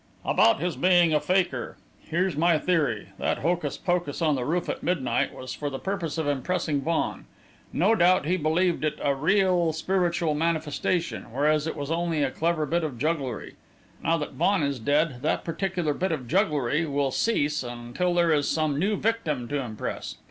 "About his being a fakir. Here's my theory: that hocus pocus on the roof at midnight was for the purpose of impressing Vaughan. No doubt he believed it a real spiritual manifestation, whereas it was only a clever bit of jugglery. Now that Vaughan is dead, that particular bit of jugglery will cease until there is some new victim to impress.